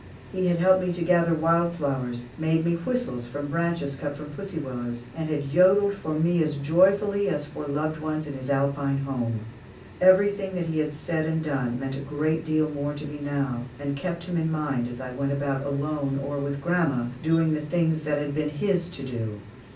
He had helped me to gather wild flowers, made me whistles from branches cut from the pussy willows, and had yodeled for me as joyfully as for loved ones in his Alpine home. Everything that he had said and done meant a great deal more to me now, and kept him in mind, as I went about alone, or with grandma, doing the things that had been his to do.